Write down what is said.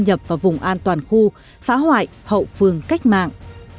nhập vào vùng an toàn khu phá hoại hậu phương cách mạng